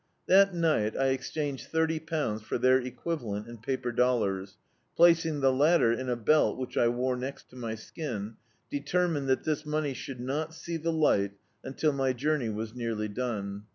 That night I exchanged thirty pounds for their equivalent in paper dollars, placing the latter in a belt which I wore next to my skin, determined that this money should not see the light until my journey was nearly done.